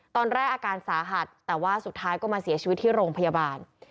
อาการสาหัสแต่ว่าสุดท้ายก็มาเสียชีวิตที่โรงพยาบาล